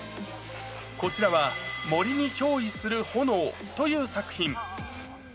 こちらは、森に憑依する炎という作品。